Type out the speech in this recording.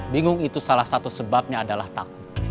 bingung itu salah satu sebabnya adalah takut